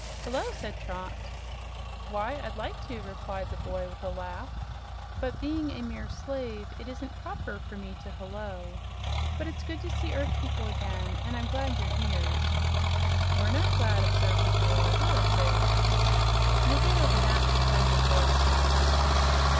"Hello," said Trot. "Why, I'd like to," replied the boy with a laugh, "but being a mere slave, it isn't proper for me to hello. But it's good to see earth people again, and I'm glad you're here." "We're not glad," observed the girl. "We're afraid." "You'll get over that," declared the boy smilingly.